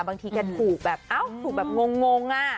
บางทีแกถูกแบบเอ้าถูกแบบงงอ่ะ